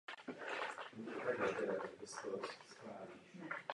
Dohromady oba registry sdružují přes padesát finančních institucí působících na českém trhu.